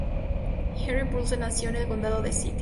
Henry Purcell nació en el condado de St.